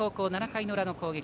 ７回の裏の攻撃。